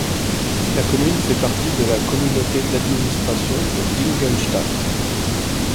La commune fait partie de la Communauté d'administration de Dingelstädt.